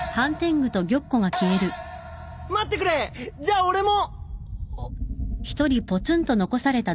待ってくれじゃ俺も。